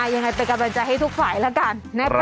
ยังไงเป็นกำลังใจให้ทุกฝ่ายแล้วกัน